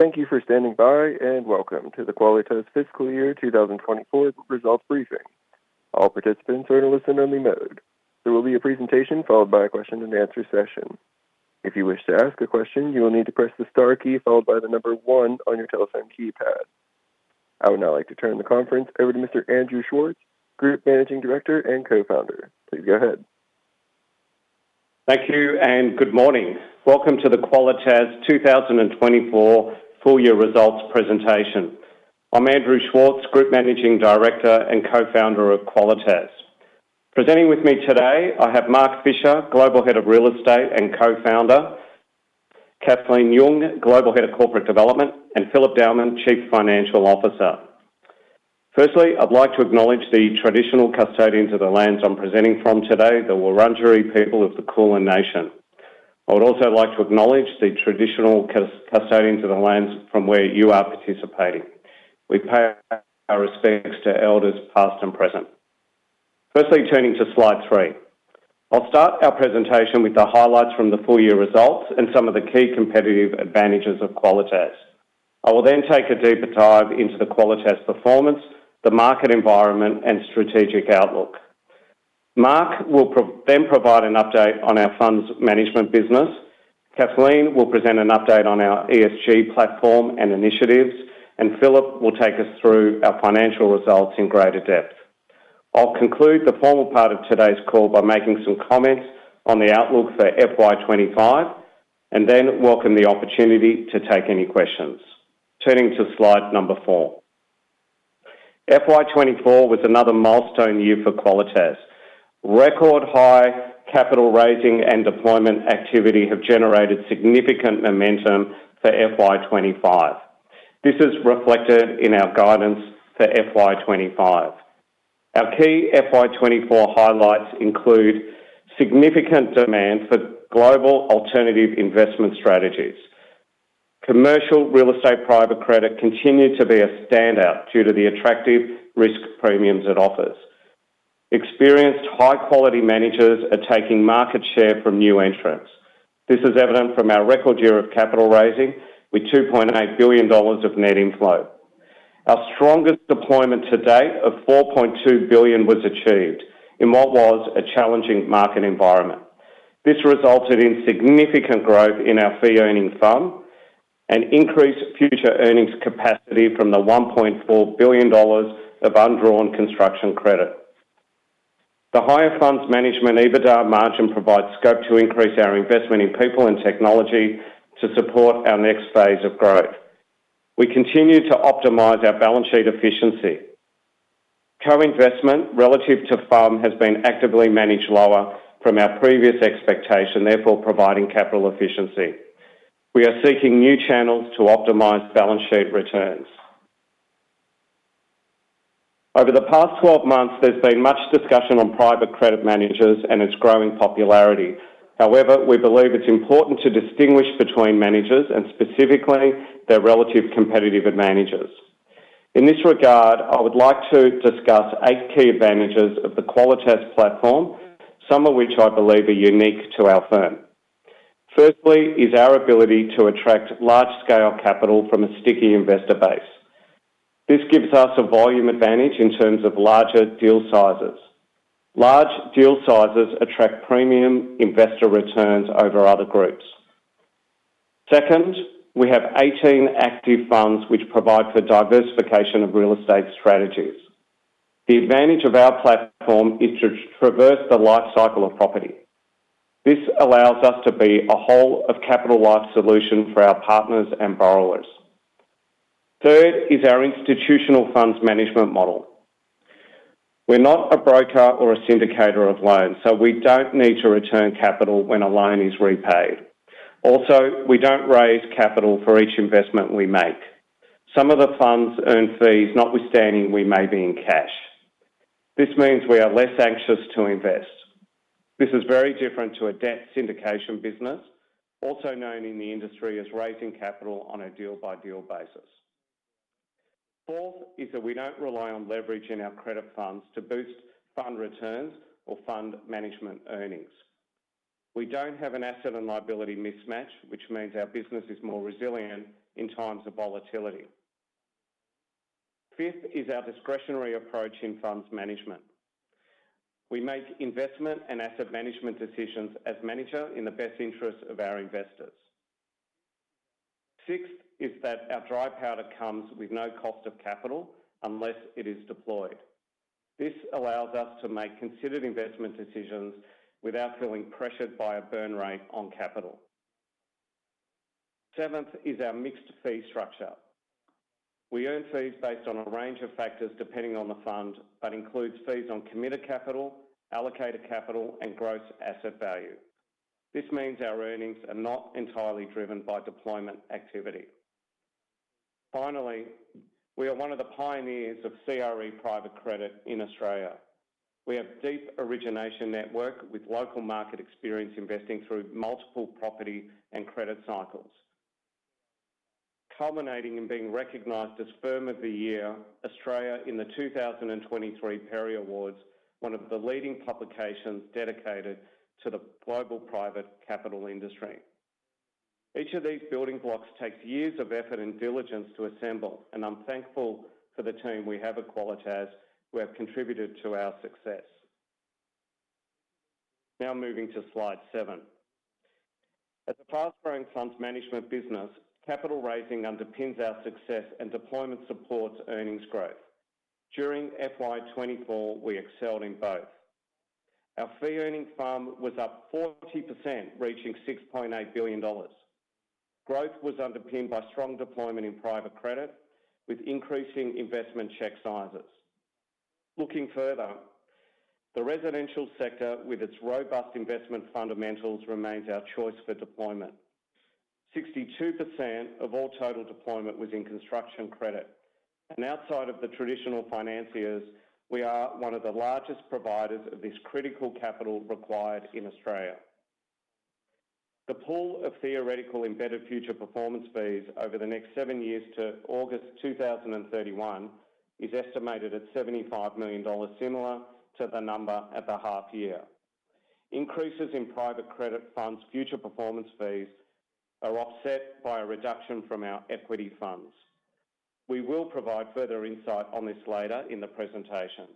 Thank you for standing by, and welcome to the Qualitas fiscal year 2024 results briefing. All participants are in listen-only mode. There will be a presentation followed by a question and answer session. If you wish to ask a question, you will need to press the star key followed by the number one on your telephone keypad. I would now like to turn the conference over to Mr. Andrew Schwartz, Group Managing Director and Co-founder. Please go ahead. Thank you and good morning. Welcome to the Qualitas 2024 full year results presentation. I'm Andrew Schwartz, Group Managing Director and Co-founder of Qualitas. Presenting with me today, I have Mark Fischer, Global Head of Real Estate and Co-founder, Kathleen Yeung, Global Head of Corporate Development, and Philip Dowman, Chief Financial Officer. Firstly, I'd like to acknowledge the traditional custodians of the lands I'm presenting from today, the Wurundjeri people of the Kulin Nation. I would also like to acknowledge the traditional custodians of the lands from where you are participating. We pay our respects to elders past and present. Firstly, turning to slide three. I'll start our presentation with the highlights from the full year results and some of the key competitive advantages of Qualitas. I will then take a deeper dive into the Qualitas performance, the market environment, and strategic outlook. Mark will then provide an update on our funds management business. Kathleen will present an update on our ESG platform and initiatives, and Philip will take us through our financial results in greater depth. I'll conclude the formal part of today's call by making some comments on the outlook for FY 2024 and then welcome the opportunity to take any questions. Turning to slide number 4. FY 2024 was another milestone year for Qualitas. Record high capital raising and deployment activity have generated significant momentum for FY 2025. This is reflected in our guidance for FY 2025. Our key FY 2024 highlights include significant demand for global alternative investment strategies. Commercial real estate private credit continued to be a standout due to the attractive risk premiums it offers. Experienced high-quality managers are taking market share from new entrants. This is evident from our record year of capital raising with 2.8 billion dollars of net inflow. Our strongest deployment to date of 4.2 billion was achieved in what was a challenging market environment. This resulted in significant growth in our fee-earning FUM and increased future earnings capacity from the 1.4 billion dollars of undrawn construction credit. The higher funds management EBITDA margin provides scope to increase our investment in people and technology to support our next phase of growth. We continue to optimize our balance sheet efficiency. Co-investment relative to FUM has been actively managed lower from our previous expectation, therefore, providing capital efficiency. We are seeking new channels to optimize balance sheet returns. Over the past 12 months, there's been much discussion on private credit managers and its growing popularity. However, we believe it's important to distinguish between managers and specifically their relative competitive advantages. In this regard, I would like to discuss eight key advantages of the Qualitas platform, some of which I believe are unique to our firm. Firstly, is our ability to attract large-scale capital from a sticky investor base. This gives us a volume advantage in terms of larger deal sizes. Large deal sizes attract premium investor returns over other groups. Second, we have 18 active funds which provide for diversification of real estate strategies. The advantage of our platform is to traverse the life cycle of property. This allows us to be a whole of capital life solution for our partners and borrowers. Third is our institutional funds management model. We're not a broker or a syndicator of loans, so we don't need to return capital when a loan is repaid. Also, we don't raise capital for each investment we make. Some of the funds earn fees, notwithstanding, we may be in cash. This means we are less anxious to invest. This is very different to a debt syndication business, also known in the industry as raising capital on a deal-by-deal basis. Fourth is that we don't rely on leverage in our credit funds to boost FUM returns or fund management earnings. We don't have an asset and liability mismatch, which means our business is more resilient in times of volatility. Fifth is our discretionary approach in funds management. We make investment and asset management decisions as manager in the best interest of our investors. Sixth is that our dry powder comes with no cost of capital unless it is deployed. This allows us to make considered investment decisions without feeling pressured by a burn rate on capital. Seventh is our mixed fee structure. We earn fees based on a range of factors, depending on the fund, but includes fees on committed capital, allocated capital, and gross asset value. This means our earnings are not entirely driven by deployment activity. Finally, we are one of the pioneers of CRE private credit in Australia. We have deep origination network with local market experience, investing through multiple property and credit cycles, culminating in being recognized as Firm of the Year Australia in the 2023 PERE Awards, one of the leading publications dedicated to the global private capital industry. Each of these building blocks takes years of effort and diligence to assemble, and I'm thankful for the team we have at Qualitas who have contributed to our success. Now moving to slide seven. As a fast-growing funds management business, capital raising underpins our success and deployment supports earnings growth. During FY 2024, we excelled in both. Our fee-earning FUM was up 40%, reaching 6.8 billion dollars. Growth was underpinned by strong deployment in private credit, with increasing investment check sizes. Looking further, the residential sector, with its robust investment fundamentals, remains our choice for deployment. 62% of all total deployment was in construction credit, and outside of the traditional financiers, we are one of the largest providers of this critical capital required in Australia. The pool of theoretical embedded future performance fees over the next seven years to August 2031 is estimated at 75 million dollars, similar to the number at the half year. Increases in private credit funds' future performance fees are offset by a reduction from our equity funds. We will provide further insight on this later in the presentation.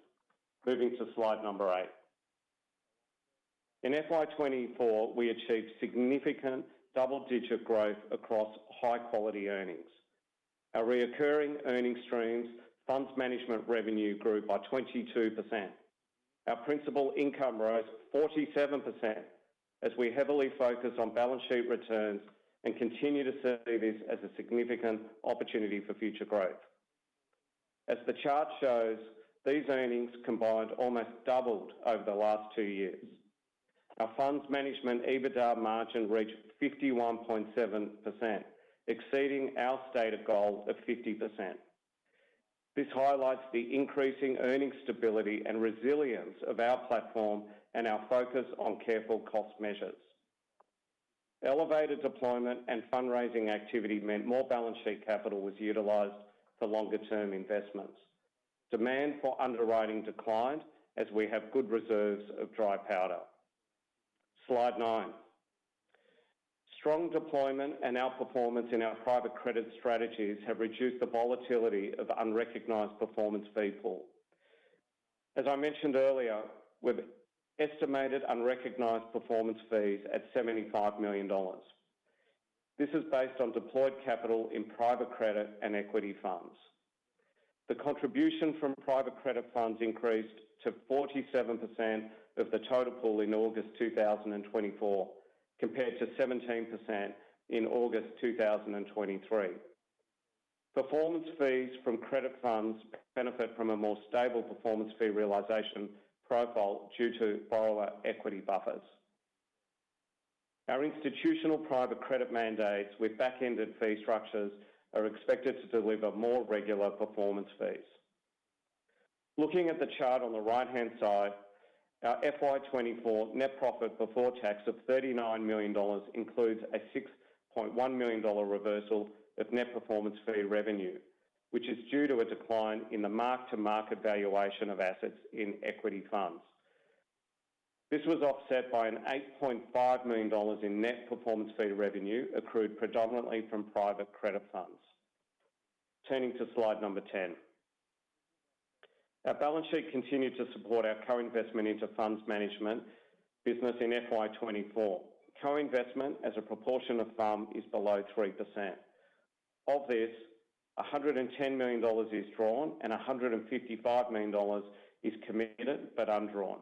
Moving to slide number eight. In FY 2024, we achieved significant double-digit growth across high-quality earnings. Our recurring earnings streams, funds management revenue, grew by 22%. Our principal income rose 47%, as we heavily focus on balance sheet returns and continue to see this as a significant opportunity for future growth. As the chart shows, these earnings combined almost doubled over the last two years. Our funds management EBITDA margin reached 51.7%, exceeding our stated goal of 50%. This highlights the increasing earnings stability and resilience of our platform and our focus on careful cost measures. Elevated deployment and fundraising activity meant more balance sheet capital was utilized for longer-term investments. Demand for underwriting declined, as we have good reserves of dry powder. Slide nine. Strong deployment and outperformance in our private credit strategies have reduced the volatility of unrecognized performance fee pool. As I mentioned earlier, with estimated unrecognized performance fees at 75 million dollars. This is based on deployed capital in private credit and equity funds. The contribution from private credit funds increased to 47% of the total pool in August 2024, compared to 17% in August 2023. Performance fees from credit funds benefit from a more stable performance fee realization profile due to borrower equity buffers. Our institutional private credit mandates with back-ended fee structures are expected to deliver more regular performance fees. Looking at the chart on the right-hand side, our FY 2024 net profit before tax of 39 million dollars includes a 6.1 million dollar reversal of net performance fee revenue, which is due to a decline in the mark-to-market valuation of assets in equity funds. This was offset by 8.5 million dollars in net performance fee revenue, accrued predominantly from private credit funds. Turning to slide number 10. Our balance sheet continued to support our co-investment into funds management business in FY 2024. Co-investment as a proportion of FUM is below 3%. Of this, 110 million dollars is drawn and 155 million dollars is committed, but undrawn.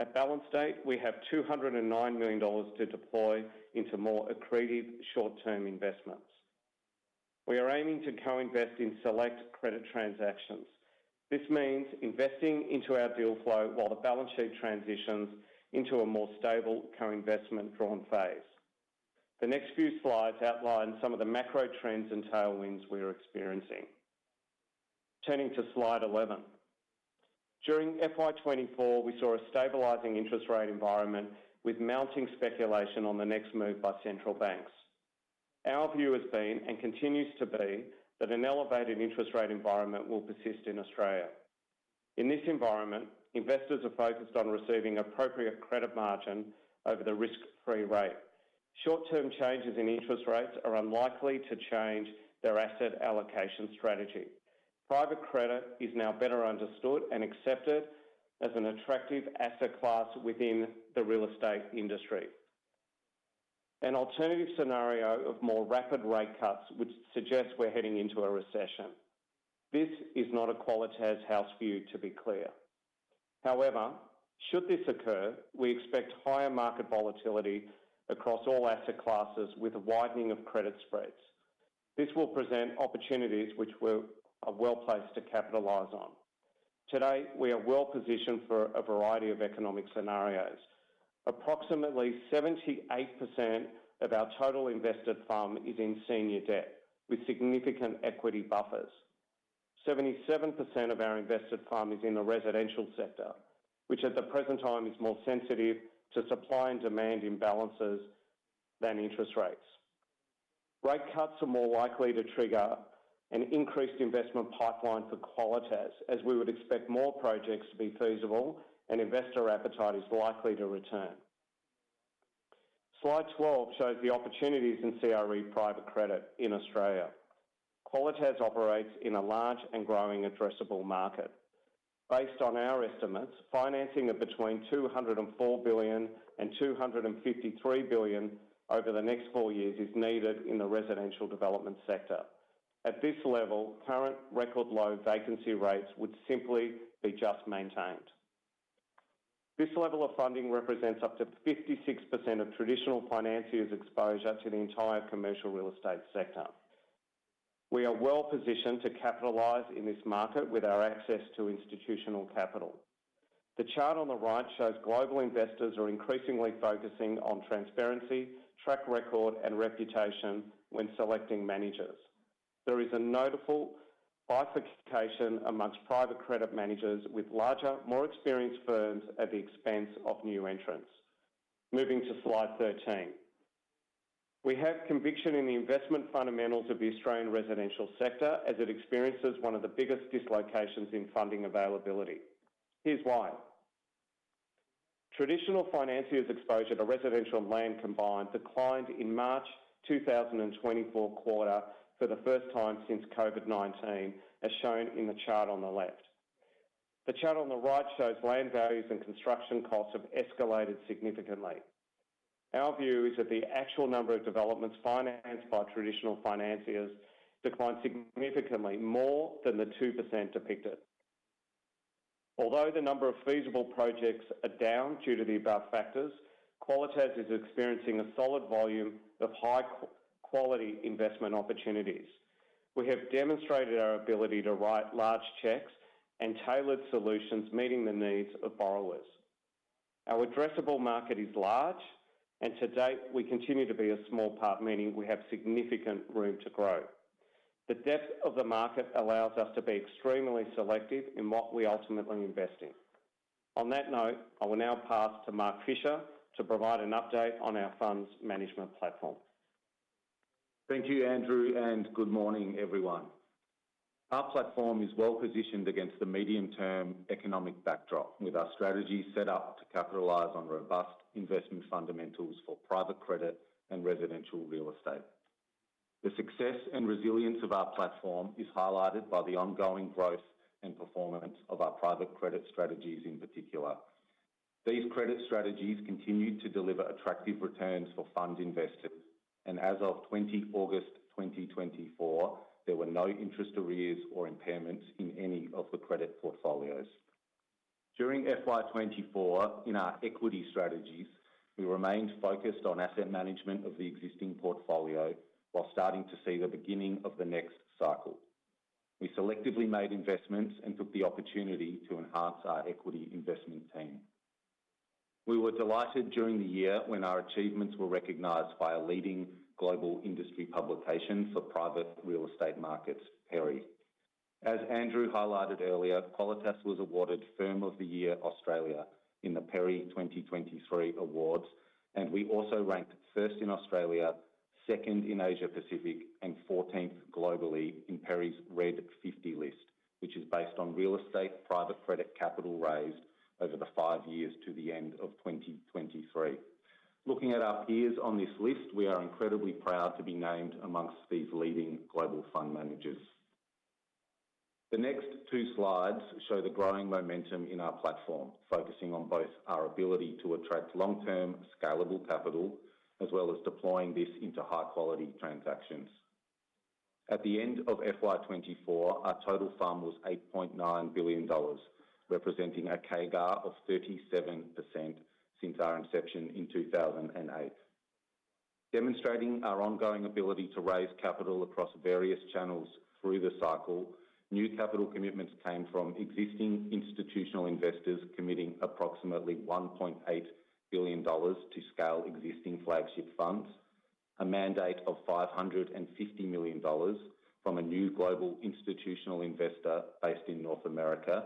At balance date, we have 209 million dollars to deploy into more accretive short-term investments. We are aiming to co-invest in select credit transactions. This means investing into our deal flow while the balance sheet transitions into a more stable co-investment drawn phase. The next few slides outline some of the macro trends and tailwinds we are experiencing. Turning to slide 11. During FY 2024, we saw a stabilizing interest rate environment with mounting speculation on the next move by central banks. Our view has been, and continues to be, that an elevated interest rate environment will persist in Australia. In this environment, investors are focused on receiving appropriate credit margin over the risk-free rate. Short-term changes in interest rates are unlikely to change their asset allocation strategy. Private credit is now better understood and accepted as an attractive asset class within the real estate industry. An alternative scenario of more rapid rate cuts would suggest we're heading into a recession. This is not a Qualitas house view, to be clear. However, should this occur, we expect higher market volatility across all asset classes with a widening of credit spreads. This will present opportunities which we are well placed to capitalize on. Today, we are well positioned for a variety of economic scenarios. Approximately 78% of our total invested FUM is in senior debt, with significant equity buffers. 77% of our invested FUM is in the residential sector, which at the present time is more sensitive to supply and demand imbalances than interest rates. Rate cuts are more likely to trigger an increased investment pipeline for Qualitas, as we would expect more projects to be feasible and investor appetite is likely to return. Slide 12 shows the opportunities in CRE private credit in Australia. Qualitas operates in a large and growing addressable market. Based on our estimates, financing of between 204 billion and 253 billion over the next four years is needed in the residential development sector. At this level, current record low vacancy rates would simply be just maintained. This level of funding represents up to 56% of traditional financiers' exposure to the entire commercial real estate sector. We are well positioned to capitalize in this market with our access to institutional capital. The chart on the right shows global investors are increasingly focusing on transparency, track record, and reputation when selecting managers. There is a notable bifurcation amongst private credit managers with larger, more experienced firms at the expense of new entrants. Moving to slide 13. We have conviction in the investment fundamentals of the Australian residential sector as it experiences one of the biggest dislocations in funding availability. Here's why: Traditional financiers' exposure to residential land combined declined in March 2024 quarter for the first time since COVID-19, as shown in the chart on the left. The chart on the right shows land values and construction costs have escalated significantly. Our view is that the actual number of developments financed by traditional financiers declined significantly more than the 2% depicted. Although the number of feasible projects are down due to the above factors, Qualitas is experiencing a solid volume of high quality investment opportunities. We have demonstrated our ability to write large checks and tailored solutions, meeting the needs of borrowers. Our addressable market is large, and to date, we continue to be a small part, meaning we have significant room to grow. The depth of the market allows us to be extremely selective in what we ultimately invest in. On that note, I will now pass to Mark Fischer to provide an update on our funds management platform. Thank you, Andrew, and good morning, everyone. Our platform is well positioned against the medium-term economic backdrop, with our strategy set up to capitalize on robust investment fundamentals for private credit and residential real estate. The success and resilience of our platform is highlighted by the ongoing growth and performance of our private credit strategies in particular. These credit strategies continued to deliver attractive returns for fund investors, and as of twenty August twenty twenty-four, there were no interest arrears or impairments in any of the credit portfolios. During FY 2024, in our equity strategies, we remained focused on asset management of the existing portfolio, while starting to see the beginning of the next cycle. We selectively made investments and took the opportunity to enhance our equity investment team. We were delighted during the year when our achievements were recognized by a leading global industry publication for private real estate markets, PERE. As Andrew highlighted earlier, Qualitas was awarded Firm of the Year Australia in the PERE 2023 awards, and we also ranked first in Australia, second in Asia Pacific, and fourteenth globally in PERE's RED 50 list, which is based on real estate private credit capital raised over the five years to the end of 2023. Looking at our peers on this list, we are incredibly proud to be named amongst these leading global fund managers. The next two slides show the growing momentum in our platform, focusing on both our ability to attract long-term, scalable capital, as well as deploying this into high-quality transactions. At the end of FY 2024, our total FUM was 8.9 billion dollars, representing a CAGR of 37% since our inception in 2008. Demonstrating our ongoing ability to raise capital across various channels through the cycle, new capital commitments came from existing institutional investors, committing approximately 1.8 billion dollars to scale existing flagship funds, a mandate of 550 million dollars from a new global institutional investor based in North America,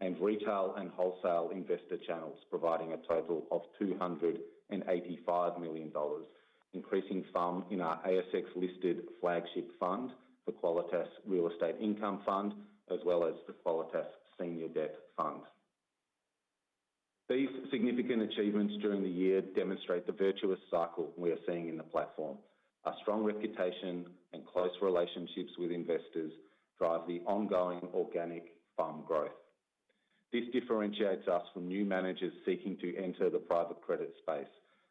and retail and wholesale investor channels, providing a total of 285 million dollars, increasing FUM in our ASX-listed flagship fund, the Qualitas Real Estate Income Fund, as well as the Qualitas Senior Debt Fund. These significant achievements during the year demonstrate the virtuous cycle we are seeing in the platform. Our strong reputation and close relationships with investors drive the ongoing organic FUM growth. This differentiates us from new managers seeking to enter the private credit space,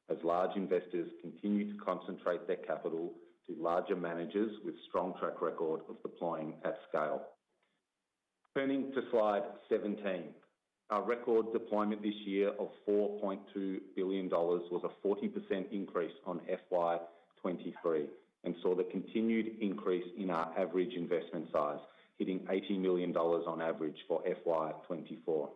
as large investors continue to concentrate their capital to larger managers with strong track record of deploying at scale. Turning to slide 17. Our record deployment this year of 4.2 billion dollars was a 40% increase on FY 2023 and saw the continued increase in our average investment size, hitting 80 million dollars on average for FY 2024.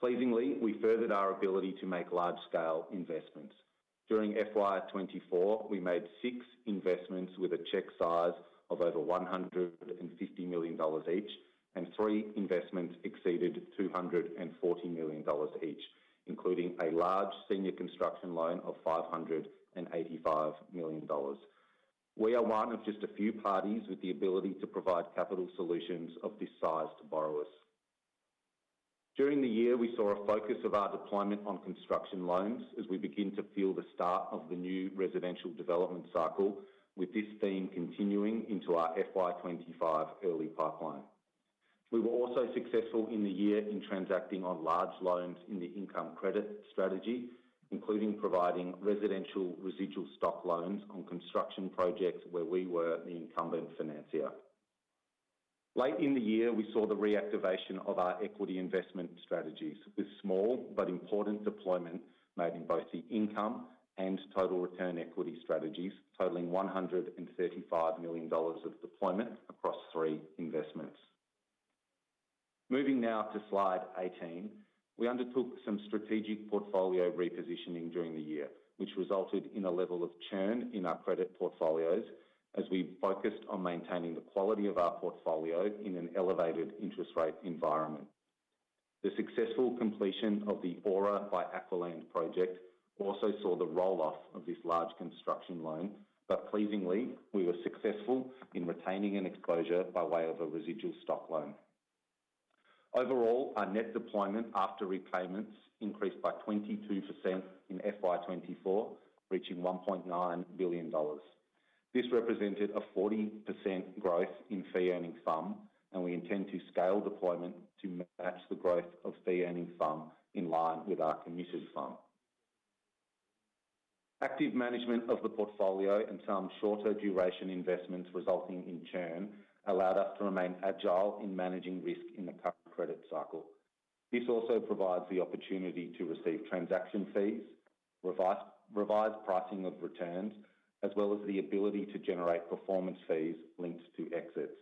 Pleasingly, we furthered our ability to make large-scale investments. During FY 2024, we made six investments with a check size of over 150 million dollars each, and three investments exceeded 240 million dollars each, including a large senior construction loan of 585 million dollars. We are one of just a few parties with the ability to provide capital solutions of this size to borrowers. During the year, we saw a focus of our deployment on construction loans as we begin to feel the start of the new residential development cycle, with this theme continuing into our FY 25 early pipeline. We were also successful in the year in transacting on large loans in the income credit strategy, including providing residential residual stock loans on construction projects where we were the incumbent financier. Late in the year, we saw the reactivation of our equity investment strategies, with small but important deployments made in both the income and total return equity strategies, totaling 135 million dollars of deployment across three investments. Moving now to slide 18. We undertook some strategic portfolio repositioning during the year, which resulted in a level of churn in our credit portfolios as we focused on maintaining the quality of our portfolio in an elevated interest rate environment. The successful completion of the Aura by Aqualand project also saw the roll-off of this large construction loan, but pleasingly, we were successful in retaining an exposure by way of a residual stock loan. Overall, our net deployment after repayments increased by 22% in FY 2024, reaching 1.9 billion dollars. This represented a 40% growth in fee-earning FUM, and we intend to scale deployment to match the growth of fee-earning FUM in line with our committed FUM. Active management of the portfolio and some shorter duration investments resulting in churn, allowed us to remain agile in managing risk in the current credit cycle. This also provides the opportunity to receive transaction fees, revised pricing of returns, as well as the ability to generate performance fees linked to exits.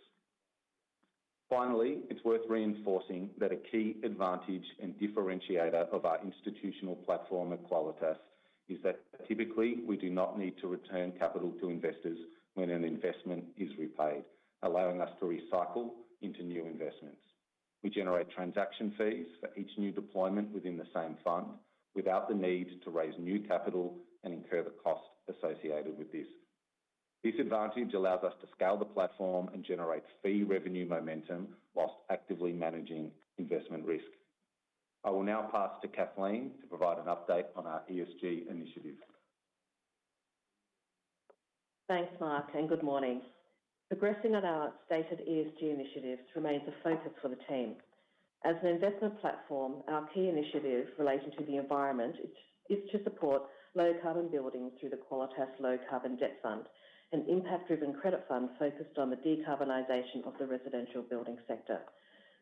Finally, it's worth reinforcing that a key advantage and differentiator of our institutional platform at Qualitas is that typically, we do not need to return capital to investors when an investment is repaid, allowing us to recycle into new investments. We generate transaction fees for each new deployment within the same fund, without the need to raise new capital and incur the cost associated with this. This advantage allows us to scale the platform and generate fee revenue momentum whilst actively managing investment risk. I will now pass to Kathleen to provide an update on our ESG initiatives. Thanks, Mark, and good morning. Progressing on our stated ESG initiatives remains a focus for the team. As an investment platform, our key initiative relating to the environment is to support low carbon buildings through the Qualitas Low Carbon Debt Fund, an impact-driven credit fund focused on the decarbonization of the residential building sector.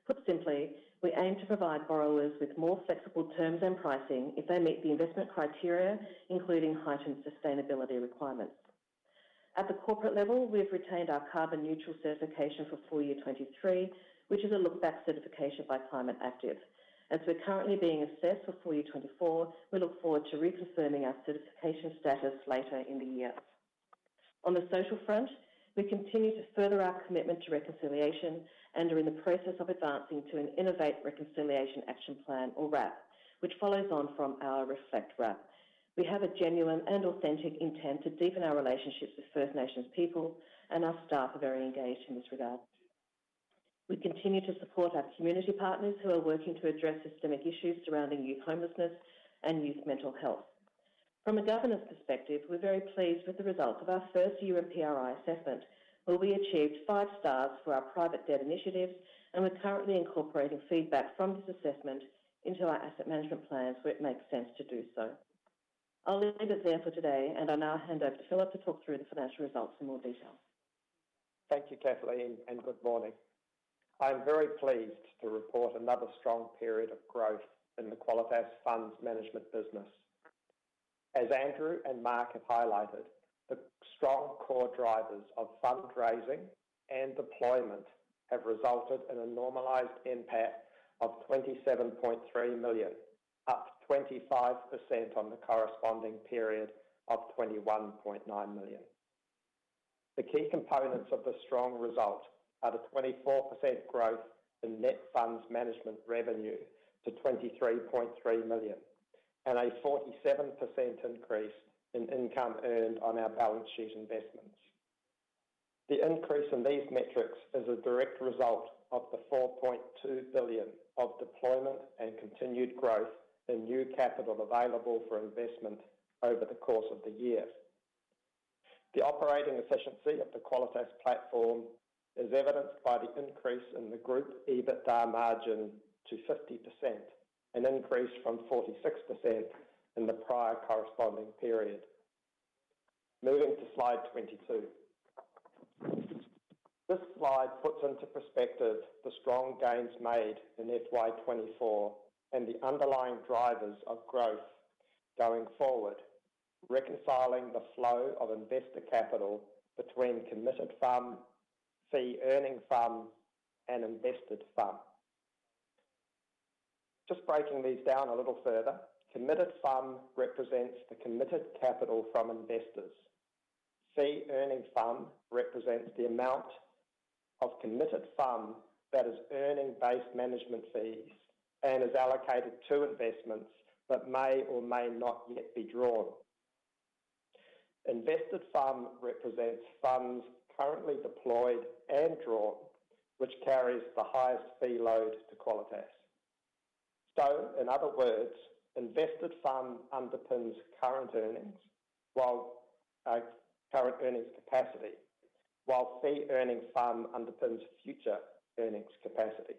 Put simply, we aim to provide borrowers with more flexible terms and pricing if they meet the investment criteria, including heightened sustainability requirements. At the corporate level, we've retained our carbon neutral certification for full year 2023, which is a look back certification by Climate Active. As we're currently being assessed for full year 2024, we look forward to reconfirming our certification status later in the year. On the social front, we continue to further our commitment to reconciliation and are in the process of advancing to an Innovate Reconciliation Action Plan, or RAP, which follows on from our Respect RAP. We have a genuine and authentic intent to deepen our relationships with First Nations people, and our staff are very engaged in this regard. We continue to support our community partners who are working to address systemic issues surrounding youth homelessness and youth mental health. From a governance perspective, we're very pleased with the results of our first year of PRI assessment, where we achieved five stars for our private debt initiatives, and we're currently incorporating feedback from this assessment into our asset management plans, where it makes sense to do so. I'll leave it there for today, and I'll now hand over to Philip to talk through the financial results in more detail. Thank you, Kathleen, and good morning. I'm very pleased to report another strong period of growth in the Qualitas Funds Management business. As Andrew and Mark have highlighted, the strong core drivers of fundraising and deployment have resulted in a normalized NPAT of 27.3 million, up 25% on the corresponding period of 21.9 million. The key components of the strong result are the 24% growth in net funds management revenue to 23.3 million, and a 47% increase in income earned on our balance sheet investments. The increase in these metrics is a direct result of the 4.2 billion of deployment and continued growth in new capital available for investment over the course of the year. The operating efficiency of the Qualitas platform is evidenced by the increase in the group EBITDA margin to 50%, an increase from 46% in the prior corresponding period. Moving to slide 22. This slide puts into perspective the strong gains made in FY 2024 and the underlying drivers of growth going forward, reconciling the flow of investor capital between committed FUM, fee-earning FUM, and invested FUM. Just breaking these down a little further. Committed FUM represents the committed capital from investors. Fee-earning FUM represents the amount of committed fund that is earning base management fees and is allocated to investments that may or may not yet be drawn. Invested fund represents funds currently deployed and drawn, which carries the highest fee load to Qualitas. So in other words, invested fund underpins current earnings, while fee-earning fund underpins future earnings capacity.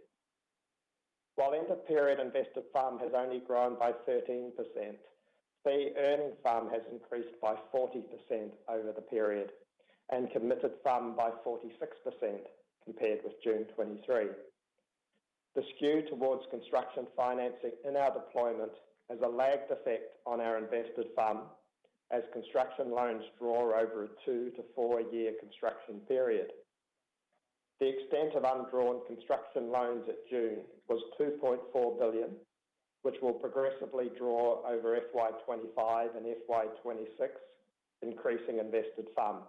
While end-of-period invested fund has only grown by 13%, fee-earning fund has increased by 40% over the period, and committed fund by 46% compared with June 2023. The skew towards construction financing in our deployment has a lagged effect on our invested fund as construction loans draw over a 2-4-year construction period. The extent of undrawn construction loans at June was 2.4 billion, which will progressively draw over FY 2025 and FY 2026, increasing invested fund.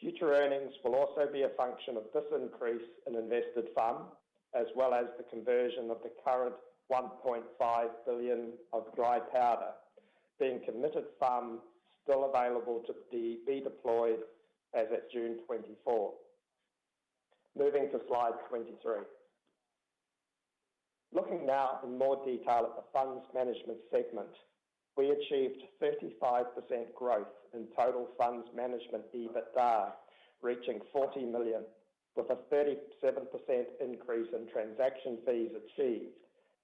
Future earnings will also be a function of this increase in invested fund, as well as the conversion of the current 1.5 billion of dry powder, being committed fund still available to be deployed as at June 2024. Moving to slide 23. Looking now in more detail at the funds management segment, we achieved 35% growth in total funds management EBITDA, reaching 40 million, with a 37% increase in transaction fees achieved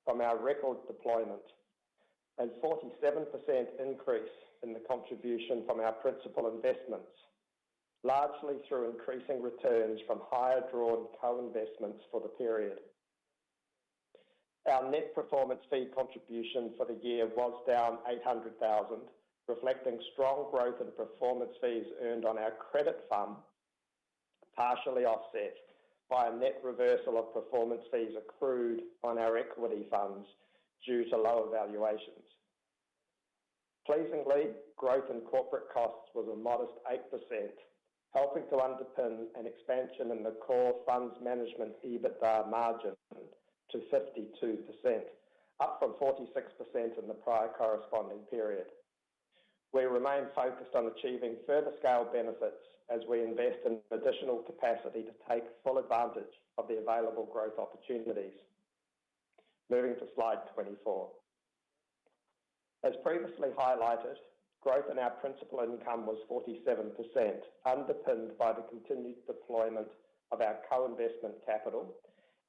from our record deployment and 47% increase in the contribution from our principal investments, largely through increasing returns from higher drawn co-investments for the period. Our net performance fee contribution for the year was down 800,000, reflecting strong growth in performance fees earned on our credit fund, partially offset by a net reversal of performance fees accrued on our equity funds due to lower valuations. Pleasingly, growth in corporate costs was a modest 8%, helping to underpin an expansion in the core funds management EBITDA margin to 52%, up from 46% in the prior corresponding period. We remain focused on achieving further scale benefits as we invest in additional capacity to take full advantage of the available growth opportunities. Moving to slide 24. As previously highlighted, growth in our principal income was 47%, underpinned by the continued deployment of our co-investment capital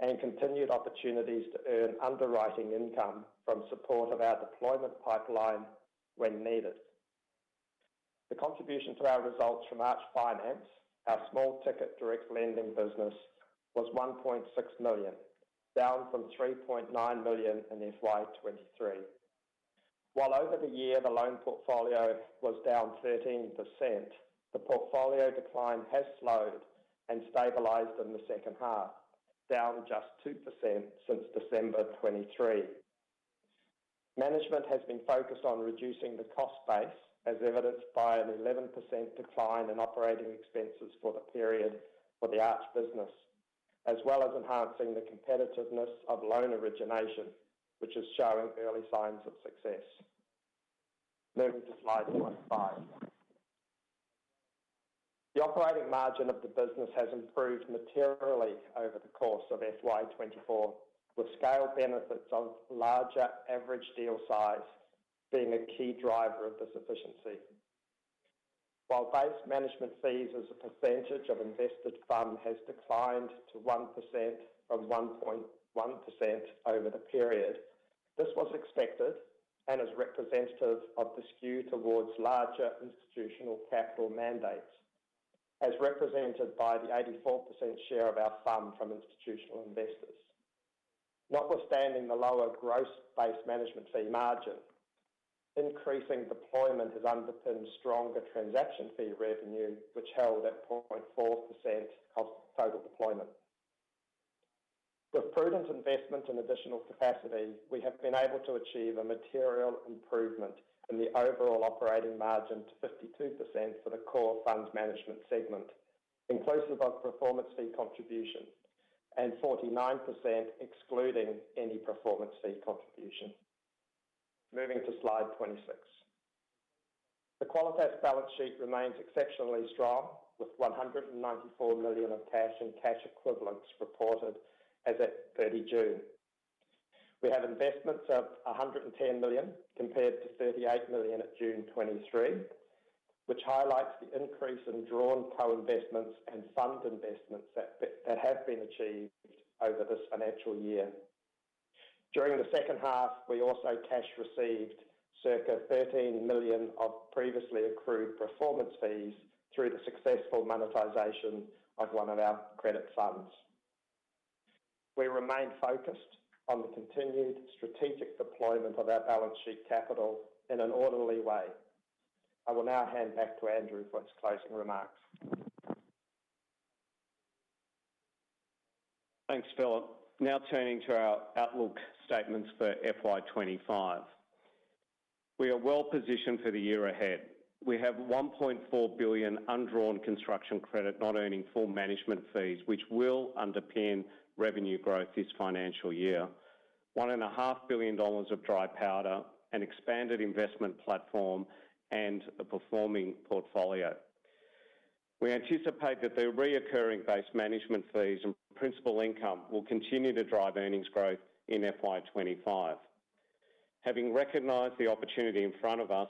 and continued opportunities to earn underwriting income from support of our deployment pipeline when needed. The contribution to our results from Arch Finance, our small ticket direct lending business, was 1.6 million, down from 3.9 million in FY 2023. While over the year the loan portfolio was down 13%, the portfolio decline has slowed and stabilized in the second half, down just 2% since December 2023. Management has been focused on reducing the cost base, as evidenced by an 11% decline in operating expenses for the period for the Arch business, as well as enhancing the competitiveness of loan origination, which is showing early signs of success. Moving to slide 25. The operating margin of the business has improved materially over the course of FY 2024, with scale benefits of larger average deal size being a key driver of this efficiency. While base management fees as a percentage of invested fund has declined to 1% from 1.1% over the period, this was expected and is representative of the skew towards larger institutional capital mandates, as represented by the 84% share of our fund from institutional investors. Notwithstanding the lower gross base management fee margin, increasing deployment has underpinned stronger transaction fee revenue, which held at 0.4% of total deployment. With prudent investment and additional capacity, we have been able to achieve a material improvement in the overall operating margin to 52% for the core funds management segment, inclusive of performance fee contribution, and 49% excluding any performance fee contribution. Moving to slide 26. The Qualitas balance sheet remains exceptionally strong, with 194 million of cash and cash equivalents reported as at 30 June. We have investments of 110 million, compared to 38 million at June 2023, which highlights the increase in drawn co-investments and fund investments that have been achieved over this financial year. During the second half, we also cash received circa 13 million of previously accrued performance fees through the successful monetization of one of our credit funds. We remain focused on the continued strategic deployment of our balance sheet capital in an orderly way. I will now hand back to Andrew for his closing remarks.... Thanks, Philip. Now turning to our outlook statements for FY 2025. We are well positioned for the year ahead. We have 1.4 billion undrawn construction credit, not earning full management fees, which will underpin revenue growth this financial year. 1.5 billion dollars of dry powder, an expanded investment platform, and a performing portfolio. We anticipate that the recurring base management fees and principal income will continue to drive earnings growth in FY 2025. Having recognized the opportunity in front of us,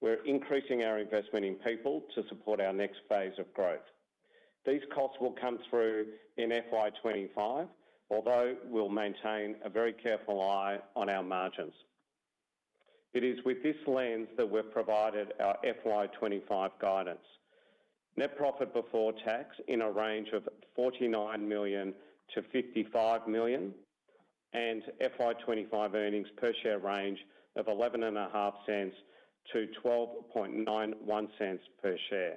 we're increasing our investment in people to support our next phase of growth. These costs will come through in FY 2025, although we'll maintain a very careful eye on our margins. It is with this lens that we've provided our FY 2025 guidance. Net profit before tax in a range of 49 million-55 million, and FY 2025 earnings per share range of 0.115-0.1291 per share.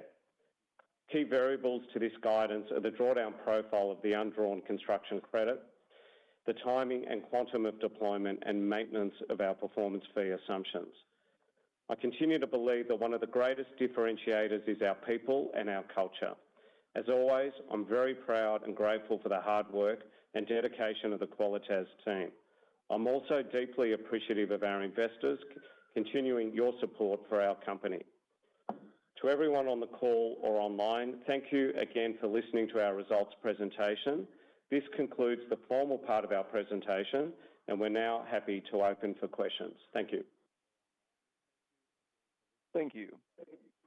Key variables to this guidance are the drawdown profile of the undrawn construction credit, the timing and quantum of deployment, and maintenance of our performance fee assumptions. I continue to believe that one of the greatest differentiators is our people and our culture. As always, I'm very proud and grateful for the hard work and dedication of the Qualitas team. I'm also deeply appreciative of our investors continuing your support for our company. To everyone on the call or online, thank you again for listening to our results presentation. This concludes the formal part of our presentation, and we're now happy to open for questions. Thank you. Thank you.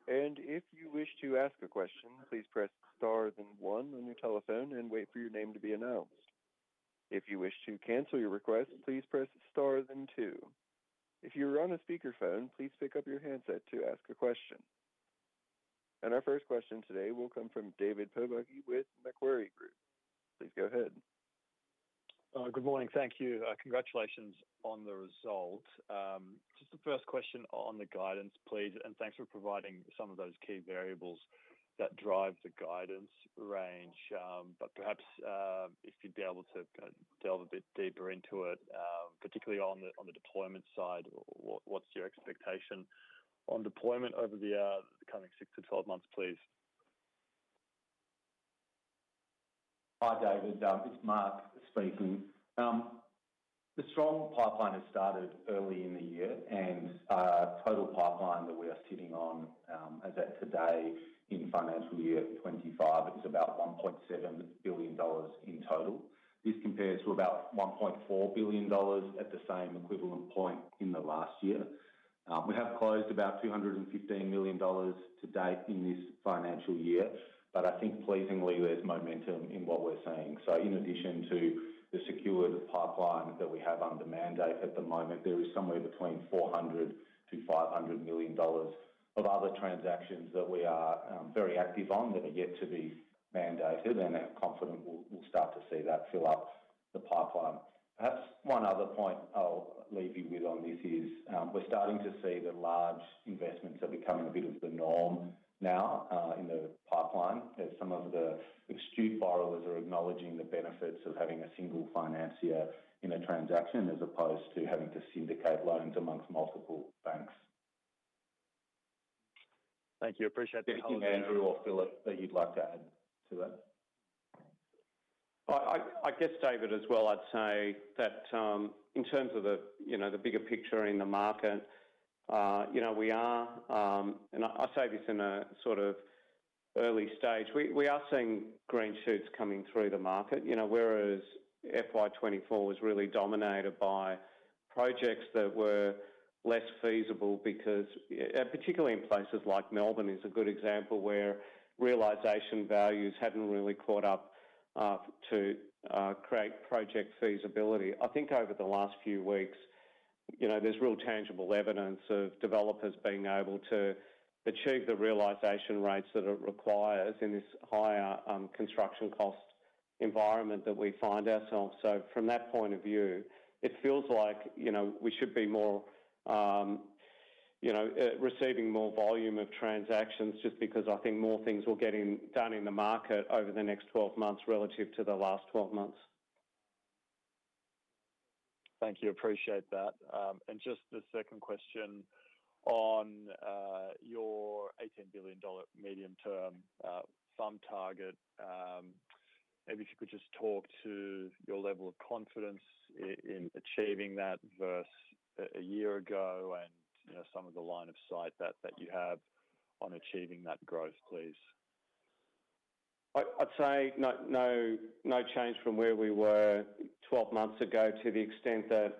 And if you wish to ask a question, please press Star then one on your telephone and wait for your name to be announced. If you wish to cancel your request, please press Star then two. If you are on a speakerphone, please pick up your handset to ask a question. And our first question today will come from David Pobucky with Macquarie Group. Please go ahead. Good morning. Thank you. Congratulations on the result. Just the first question on the guidance, please, and thanks for providing some of those key variables that drive the guidance range, but perhaps if you'd be able to delve a bit deeper into it, particularly on the deployment side, what's your expectation on deployment over the coming 6-12 months, please? Hi, David. It's Mark speaking. The strong pipeline has started early in the year, and total pipeline that we are sitting on as at today in financial year 2025, it's about 1.7 billion dollars in total. This compares to about 1.4 billion dollars at the same equivalent point in the last year. We have closed about 215 million dollars to date in this financial year, but I think pleasingly, there's momentum in what we're seeing. So in addition to the secured pipeline that we have under mandate at the moment, there is somewhere between 400 million-500 million dollars of other transactions that we are very active on, that are yet to be mandated, and I'm confident we'll start to see that fill up the pipeline. Perhaps one other point I'll leave you with on this is, we're starting to see the large investments are becoming a bit of the norm now, in the pipeline, as some of the astute borrowers are acknowledging the benefits of having a single financier in a transaction, as opposed to having to syndicate loans amongst multiple banks. Thank you. Appreciate the help- Thank you, Andrew or Philip, that you'd like to add to that. I guess, David, as well, I'd say that in terms of the, you know, the bigger picture in the market, you know, we are... and I say this in a sort of early stage, we are seeing green shoots coming through the market. You know, whereas FY 2024 was really dominated by projects that were less feasible because, particularly in places like Melbourne, is a good example, where realization values hadn't really caught up to create project feasibility. I think over the last few weeks, you know, there's real tangible evidence of developers being able to achieve the realization rates that it requires in this higher construction cost environment that we find ourselves. So from that point of view, it feels like, you know, we should be more, you know, receiving more volume of transactions just because I think more things will get done in the market over the next 12 months relative to the last 12 months. Thank you. Appreciate that. Just the second question on your AUD 18 billion medium-term fund target. Maybe if you could just talk to your level of confidence in achieving that versus a year ago and, you know, some of the line of sight that you have on achieving that growth, please. I'd say, no, no, no change from where we were 12 months ago, to the extent that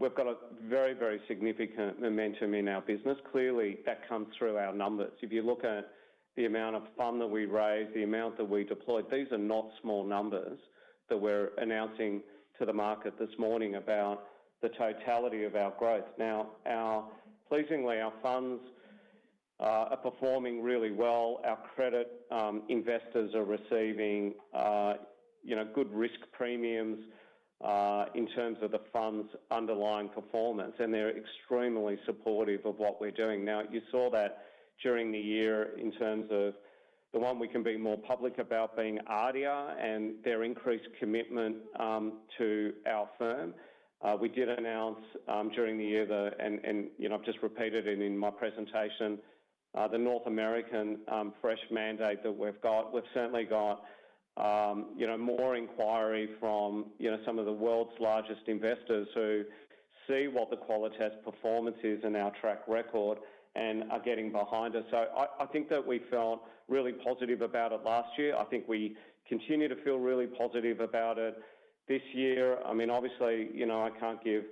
we've got a very, very significant momentum in our business. Clearly, that comes through our numbers. If you look at the amount of fund that we raised, the amount that we deployed, these are not small numbers that we're announcing to the market this morning about the totality of our growth. Now, pleasingly, our funds are performing really well. Our credit investors are receiving, you know, good risk premiums in terms of the fund's underlying performance, and they're extremely supportive of what we're doing. Now, you saw that during the year in terms of the one we can be more public about, being ADIA and their increased commitment to our firm. We did announce during the year that, and you know, I've just repeated it in my presentation, the North American fresh mandate that we've got. We've certainly got you know, more inquiry from you know, some of the world's largest investors who see what the Qualitas performance is and our track record and are getting behind us. So I think that we felt really positive about it last year. I think we continue to feel really positive about it this year. I mean, obviously, you know, I can't give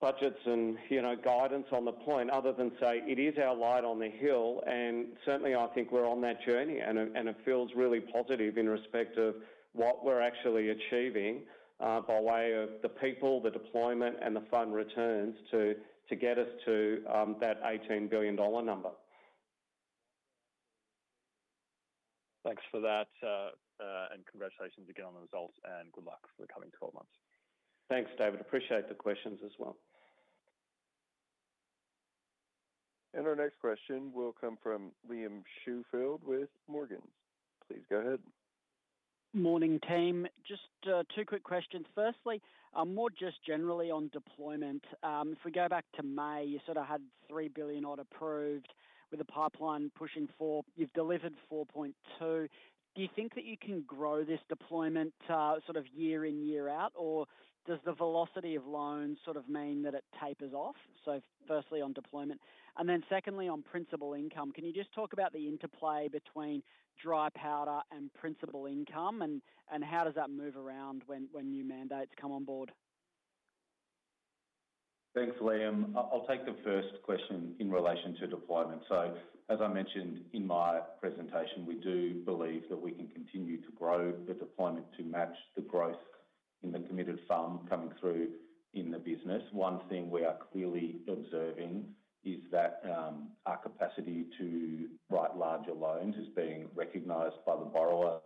budgets and, you know, guidance on the point other than say it is our light on the hill, and certainly I think we're on that journey, and it feels really positive in respect of what we're actually achieving by way of the people, the deployment, and the fund returns to get us to that 18 billion dollar number. Thanks for that, and congratulations again on the results, and good luck for the coming 12 months. Thanks, David. Appreciate the questions as well. Our next question will come from Liam Schofield with Morgans. Please go ahead. Morning, team. Just two quick questions. Firstly, more just generally on deployment. If we go back to May, you sort of had 3 billion odd approved, with the pipeline pushing 4 billion. You've delivered 4.2 billion. Do you think that you can grow this deployment, sort of year in, year out, or does the velocity of loans sort of mean that it tapers off? Firstly, on deployment, and then secondly, on principal income, can you just talk about the interplay between dry powder and principal income, and how does that move around when new mandates come on board? Thanks, Liam. I'll take the first question in relation to deployment, so as I mentioned in my presentation, we do believe that we can continue to grow the deployment to match the growth in the committed sum coming through in the business. One thing we are clearly observing is that our capacity to write larger loans is being recognized by the borrower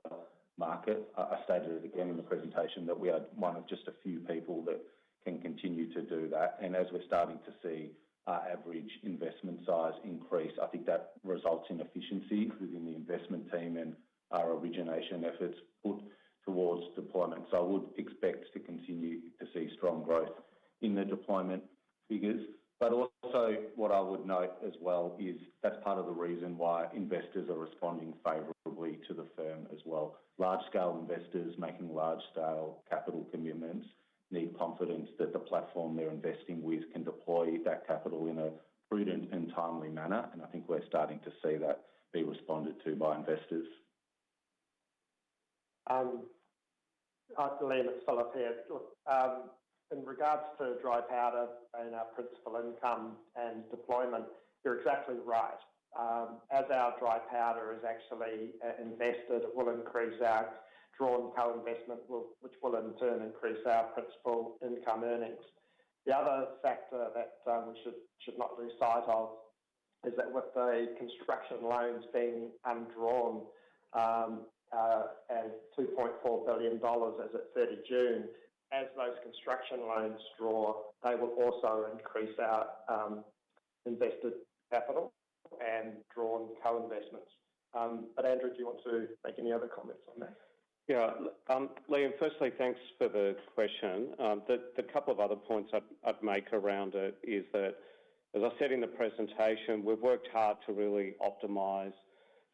market. I stated it again in the presentation, that we are one of just a few people that can continue to do that, and as we're starting to see our average investment size increase, I think that results in efficiency within the investment team and our origination efforts put towards deployment, so I would expect to continue to see strong growth in the deployment figures. But also, what I would note as well is that's part of the reason why investors are responding favorably to the firm as well. Large-scale investors making large-scale capital commitments need confidence that the platform they're investing with can deploy that capital in a prudent and timely manner, and I think we're starting to see that be responded to by investors. Hi, Liam, it's Philip here. Look, in regards to dry powder and our principal income and deployment, you're exactly right. As our dry powder is actually invested, it will increase our drawn co-investment, which will in turn increase our principal income earnings. The other factor that we should not lose sight of is that with the construction loans being undrawn at 2.4 billion dollars as at 30 June, as those construction loans draw, they will also increase our invested capital and drawn co-investments. But, Andrew, do you want to make any other comments on that? Yeah. Liam, firstly, thanks for the question. The couple of other points I'd make around it is that, as I said in the presentation, we've worked hard to really optimize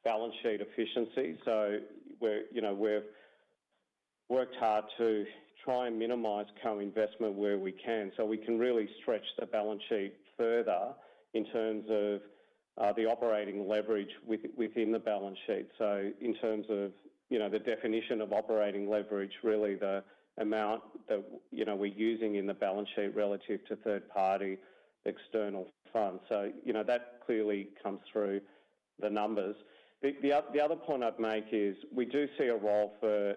balance sheet efficiency. So we're, you know, we've worked hard to try and minimize co-investment where we can, so we can really stretch the balance sheet further in terms of the operating leverage within the balance sheet. So in terms of, you know, the definition of operating leverage, really the amount that, you know, we're using in the balance sheet relative to third-party external funds. So, you know, that clearly comes through the numbers. The other point I'd make is, we do see a role for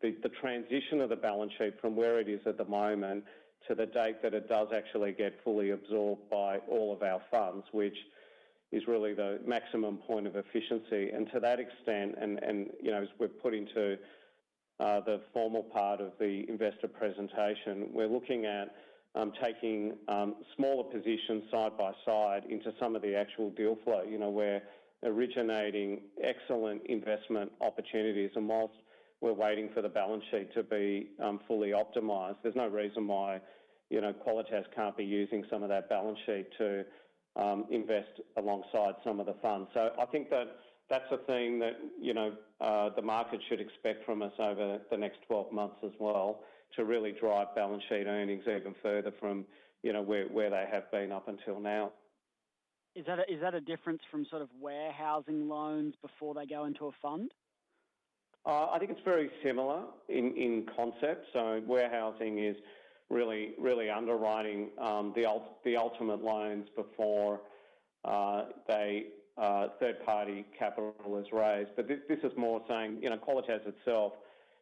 the transition of the balance sheet from where it is at the moment to the date that it does actually get fully absorbed by all of our funds, which is really the maximum point of efficiency. And to that extent, you know, as we've put into the formal part of the investor presentation, we're looking at taking smaller positions side by side into some of the actual deal flow. You know, we're originating excellent investment opportunities, and whilst we're waiting for the balance sheet to be fully optimized, there's no reason why, you know, Qualitas can't be using some of that balance sheet to invest alongside some of the funds. I think that that's a thing that, you know, the market should expect from us over the next 12 months as well, to really drive balance sheet earnings even further from, you know, where they have been up until now. Is that a difference from sort of warehousing loans before they go into a fund? I think it's very similar in concept. So warehousing is really, really underwriting the ultimate loans before third-party capital is raised. But this is more saying, you know, Qualitas itself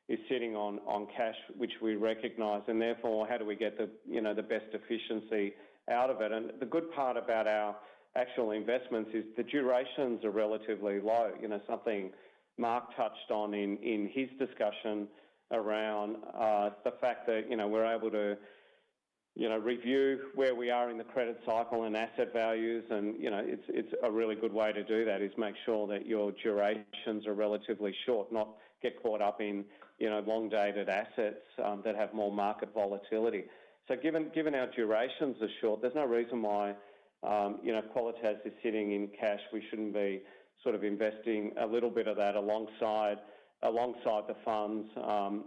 is sitting on cash, which we recognize, and therefore, how do we get the, you know, the best efficiency out of it? And the good part about our actual investments is the durations are relatively low. You know, something Mark touched on in his discussion around the fact that, you know, we're able to, you know, review where we are in the credit cycle and asset values and, you know, it's a really good way to do that, is make sure that your durations are relatively short, not get caught up in, you know, long-dated assets that have more market volatility. Given our durations are short, there's no reason why, you know, Qualitas is sitting in cash. We shouldn't be sort of investing a little bit of that alongside the funds,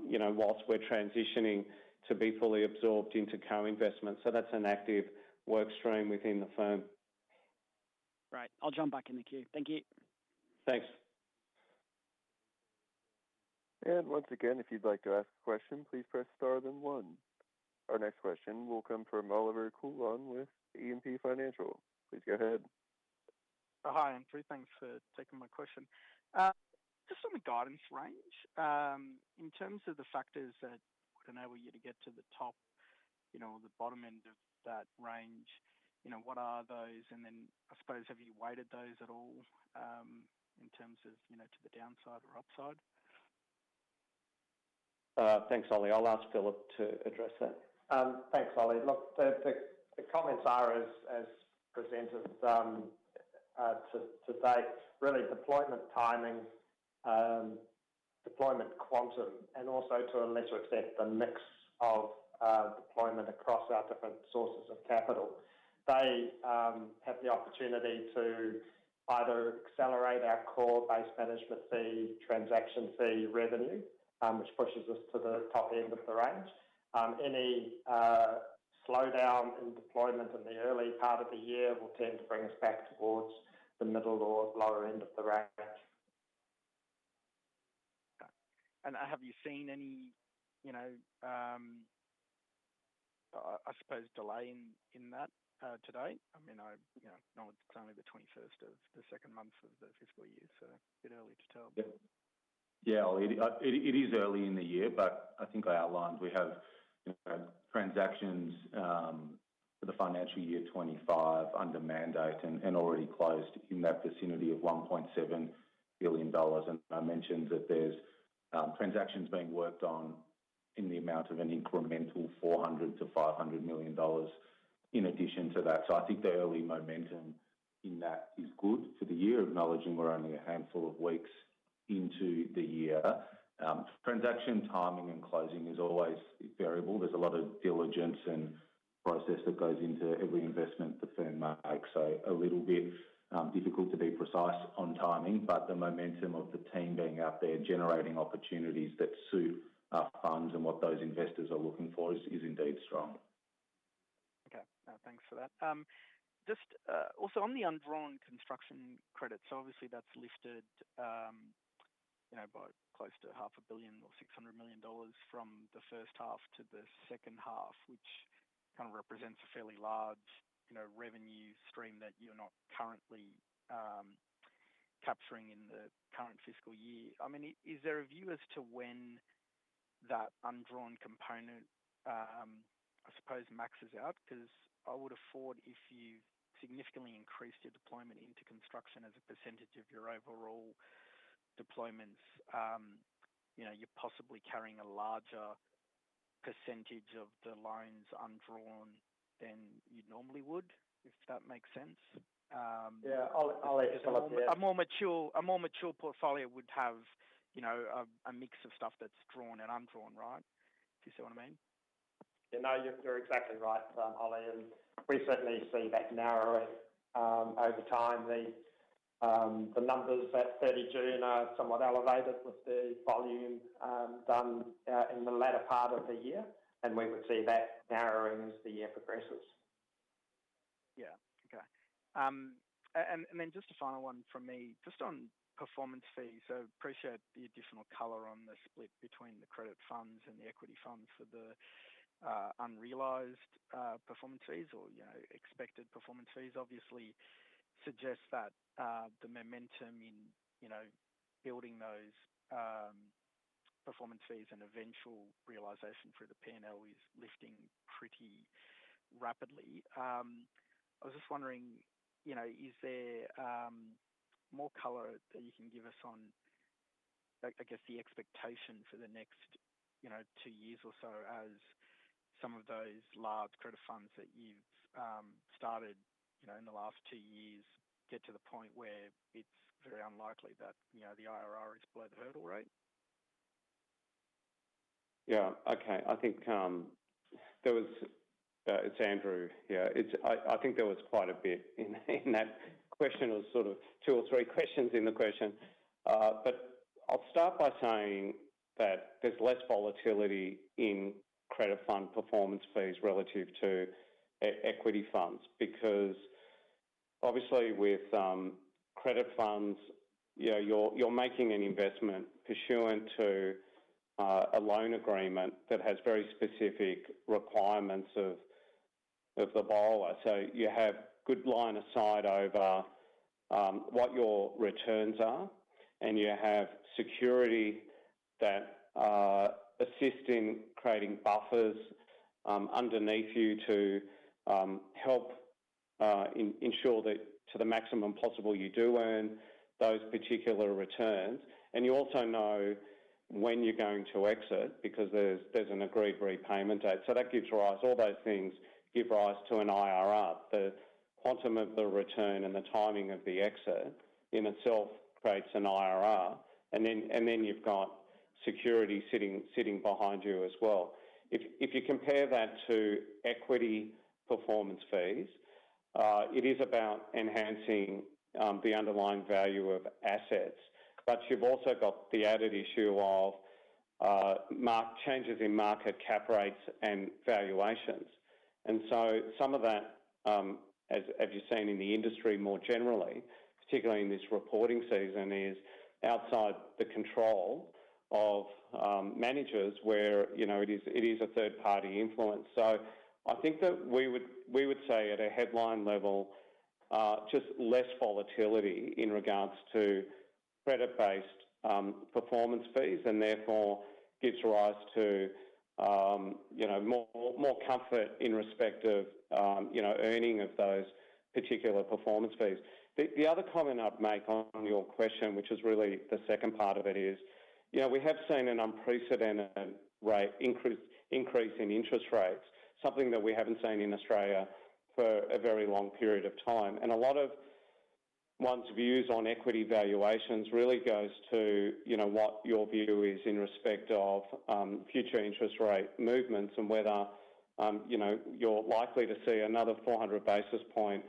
you know, whilst we're transitioning to be fully absorbed into co-investments. That's an active work stream within the firm. Right. I'll jump back in the queue. Thank you. Thanks. Once again, if you'd like to ask a question, please press star then one. Our next question will come from Olivier Coulon with Evans & Partners. Please go ahead. Hi, Andrew. Thanks for taking my question. Just on the guidance range, in terms of the factors that enable you to get to the top, you know, or the bottom end of that range, you know, what are those? And then, I suppose, have you weighted those at all, in terms of, you know, to the downside or upside? Thanks, Ollie. I'll ask Philip to address that. Thanks, Ollie. Look, the comments are as presented to date, really deployment timing, deployment quantum, and also to a lesser extent, the mix of deployment across our different sources of capital. They have the opportunity to either accelerate our core base management fee, transaction fee revenue, which pushes us to the top end of the range. Any slowdown in deployment in the early part of the year will tend to bring us back towards the middle or lower end of the range. Okay. And have you seen any, you know, I suppose delay in that to date? I mean, you know, it's only the twenty-first of the second month of the fiscal year, so a bit early to tell. Yeah. Yeah, Ollie, it is early in the year, but I think I outlined we have, you know, transactions for the financial year 2025 under mandate and already closed in that vicinity of 1.7 billion dollars. And I mentioned that there's transactions being worked on in the amount of an incremental 400 million-500 million dollars in addition to that. So I think the early momentum in that is good for the year, acknowledging we're only a handful of weeks into the year. Transaction timing and closing is always variable. There's a lot of diligence and process that goes into every investment the firm makes. A little bit difficult to be precise on timing, but the momentum of the team being out there, generating opportunities that suit our funds and what those investors are looking for is indeed strong. Okay, thanks for that. Just, also on the undrawn construction credits, so obviously that's lifted, you know, by close to 500 million or 600 million dollars from the first half to the second half, which kind of represents a fairly large, you know, revenue stream that you're not currently capturing in the current fiscal year. I mean, is there a view as to when that undrawn component, I suppose, maxes out? Because it would follow if you significantly increased your deployment into construction as a percentage of your overall deployments, you know, you're possibly carrying a larger percentage of the loans undrawn than you normally would, if that makes sense. Yeah, I'll- A more mature portfolio would have, you know, a mix of stuff that's drawn and undrawn, right? If you see what I mean. Yeah, no, you're exactly right, Ollie, and we certainly see that narrowing over time. The numbers at thirty June are somewhat elevated with the volume done in the latter part of the year, and we would see that narrowing as the year progresses. Yeah. Okay. And then just a final one from me, just on performance fees. So appreciate the additional color on the split between the credit funds and the equity funds for the unrealized performance fees or, you know, expected performance fees. Obviously, suggest that the momentum in, you know, building those performance fees and eventual realization for the P&L is lifting pretty rapidly. I was just wondering, you know, is there more color that you can give us on, I guess, the expectation for the next, you know, two years or so as some of those large credit funds that you've started, you know, in the last two years, get to the point where it's very unlikely that, you know, the IRR is below the hurdle rate? Yeah, okay. I think there was quite a bit in that question, or sort of two or three questions in the question. But I'll start by saying that there's less volatility in credit fund performance fees relative to equity funds. Because obviously with credit funds, you know, you're making an investment pursuant to a loan agreement that has very specific requirements of the borrower. So you have good line of sight over what your returns are, and you have security that assist in creating buffers underneath you to help ensure that to the maximum possible, you do earn those particular returns, and you also know when you're going to exit because there's an agreed repayment date. That gives rise, all those things give rise to an IRR. The quantum of the return and the timing of the exit in itself creates an IRR, and then you've got security sitting behind you as well. If you compare that to equity performance fees, it is about enhancing the underlying value of assets, but you've also got the added issue of market changes in market cap rates and valuations. So some of that, as you've seen in the industry more generally, particularly in this reporting season, is outside the control of managers where, you know, it is a third-party influence. So I think that we would say at a headline level, just less volatility in regards to credit-based performance fees, and therefore gives rise to, you know, more comfort in respect of, you know, earning of those particular performance fees. The other comment I'd make on your question, which is really the second part of it, is, you know, we have seen an unprecedented rate increase in interest rates, something that we haven't seen in Australia for a very long period of time. And a lot of one's views on equity valuations really goes to, you know, what your view is in respect of, future interest rate movements and whether, you know, you're likely to see another four hundred basis point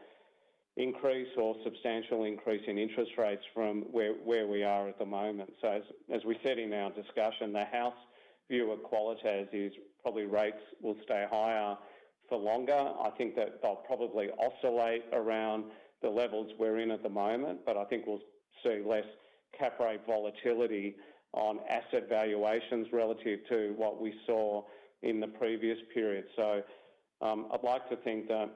increase or substantial increase in interest rates from where we are at the moment. So, as we said in our discussion, the house view of Qualitas is probably rates will stay higher for longer. I think that they'll probably oscillate around the levels we're in at the moment, but I think we'll see less cap rate volatility on asset valuations relative to what we saw in the previous period. So, I'd like to think that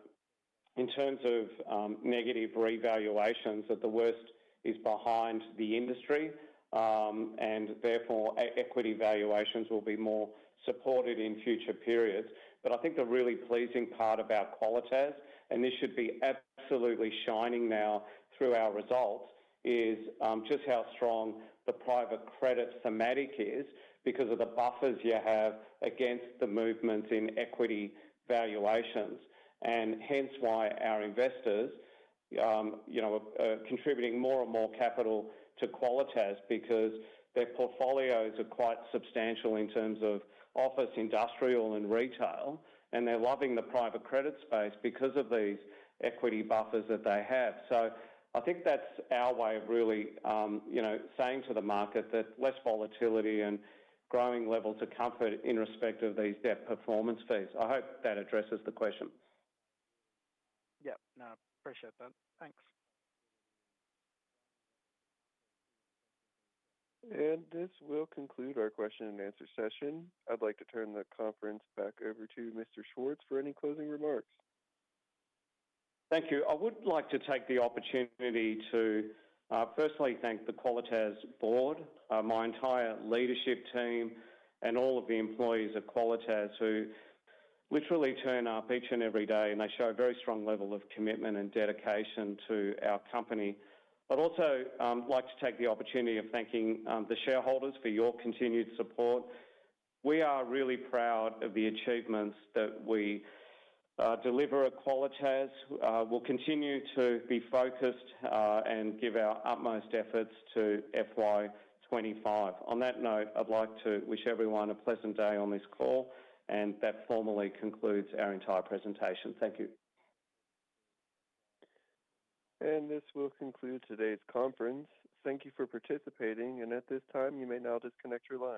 in terms of negative revaluations, that the worst is behind the industry, and therefore, equity valuations will be more supported in future periods. But I think the really pleasing part about Qualitas, and this should be absolutely shining now through our results, is just how strong the private credit thematic is because of the buffers you have against the movements in equity valuations, and hence why our investors, you know, are contributing more and more capital to Qualitas because their portfolios are quite substantial in terms of office, industrial, and retail, and they're loving the private credit space because of these equity buffers that they have. So I think that's our way of really, you know, saying to the market that less volatility and growing levels of comfort in respect of these debt performance fees. I hope that addresses the question. Yep. No, appreciate that. Thanks. And this will conclude our question and answer session. I'd like to turn the conference back over to Mr. Schwartz for any closing remarks. Thank you. I would like to take the opportunity to firstly thank the Qualitas board, my entire leadership team, and all of the employees of Qualitas who literally turn up each and every day, and they show a very strong level of commitment and dedication to our company. I'd also like to take the opportunity of thanking the shareholders for your continued support. We are really proud of the achievements that we deliver at Qualitas. We'll continue to be focused and give our utmost efforts to FY 2025. On that note, I'd like to wish everyone a pleasant day on this call, and that formally concludes our entire presentation. Thank you. This will conclude today's conference. Thank you for participating, and at this time, you may now disconnect your line.